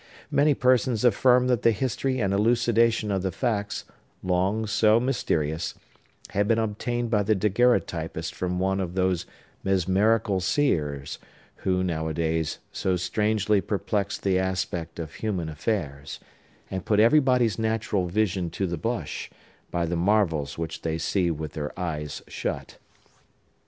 Many persons affirmed that the history and elucidation of the facts, long so mysterious, had been obtained by the daguerreotypist from one of those mesmerical seers who, nowadays, so strangely perplex the aspect of human affairs, and put everybody's natural vision to the blush, by the marvels which they see with their eyes shut.